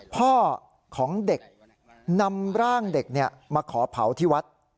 พ่อของเด็กนำร่างเด็กมาขอเผาที่วัด